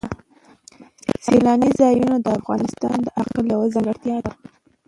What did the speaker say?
سیلاني ځایونه د افغانستان د اقلیم یوه ځانګړتیا ده.